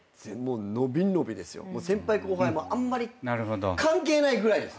先輩後輩もあんまり関係ないぐらいです。